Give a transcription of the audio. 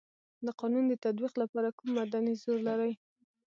د قانون د تطبیق لپاره کوم مدني زور لري.